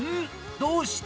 どうした？